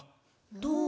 どう？